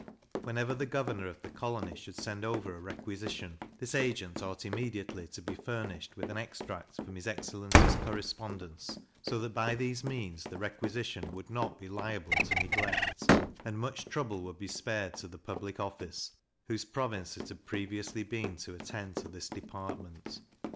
Whenever the governor of the colony should send over a requisition, this agent ought immediately to be furnished with an extract from his excellency's correspondence, so that by these means the requisition would not be liable to neglect, and much trouble would be spared to the Public Office, whose province it had previously been to attend to this department.